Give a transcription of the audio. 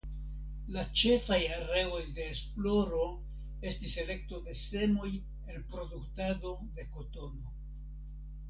La ĉefaj areoj de esploro estis elekto de semoj en produktado de kotono.